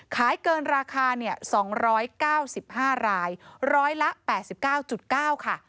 ขายเกินราคา๒๙๕รายร้อยละ๘๙๙ค่ะ